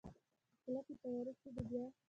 که کلکې ته ورسېدو بيا؟